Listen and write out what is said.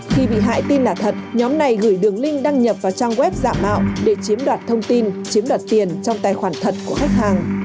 khi bị hại tin là thật nhóm này gửi đường link đăng nhập vào trang web giả mạo để chiếm đoạt thông tin chiếm đoạt tiền trong tài khoản thật của khách hàng